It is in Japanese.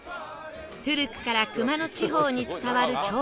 古くから熊野地方に伝わる郷土料理